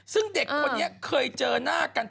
ซึ่งเด็กคนนี้เคยเจอหน้ากัน